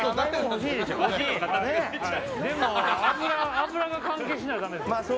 脂が関係しないとだめですよ。